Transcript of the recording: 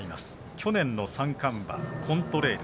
去年の三冠馬コントレイル